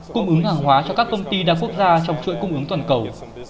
cung ứng hàng hóa cho các công ty đa quốc gia trong chuỗi cung ứng toàn cầu